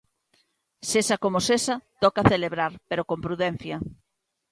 Sexa como sexa, toca celebrar, pero con prudencia.